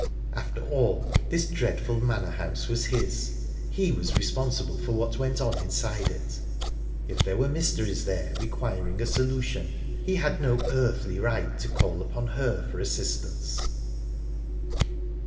After all, this dreadful manor house was his, he was responsible for what went on inside it; if there were mysteries there requiring a solution, he had no earthly right to call upon her for assistance...